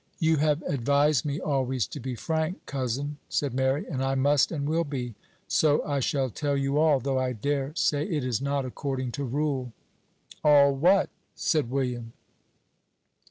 "You have advised me always to be frank, cousin," said Mary, "and I must and will be; so I shall tell you all, though I dare say it is not according to rule." "All what?" said William.